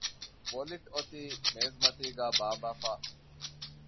ވޮލިޓް އޮތީ މޭޒުމަތީގައި ބާއްވައިފަ